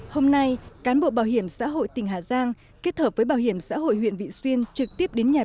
hôm nay cán bộ bảo hiểm xã hội tỉnh hà giang kết hợp với bảo hiểm xã hội huyện vị xuyên trực tiếp đến nhà